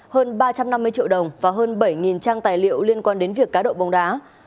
hơn ba trăm năm mươi triệu đồng và hơn bảy trang tài liệu liên quan đến việc cá độ bóng đá